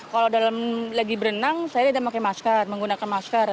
kalau dalam lagi berenang saya tidak memakai masker menggunakan masker